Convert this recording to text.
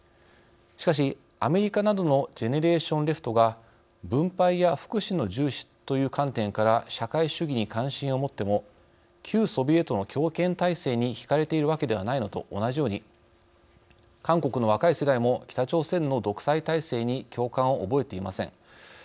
しかし、アメリカなどのジェネレーション・レフトが分配や福祉の重視という観点から社会主義に関心を持っても旧ソビエトの強権体制に引かれているわけではないのと同じように韓国の若い世代も北朝鮮の独裁体制に共感を覚えていません。